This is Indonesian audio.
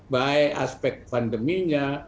baik aspek pandeminya